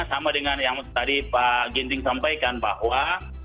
sama dengan yang tadi pak genting sampaikan pak hoa